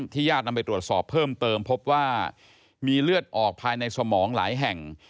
ญาตินำไปตรวจสอบเพิ่มเติมพบว่ามีเลือดออกภายในสมองหลายแห่ง